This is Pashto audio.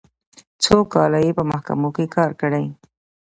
څو کاله یې په محکمو کې کار کړی.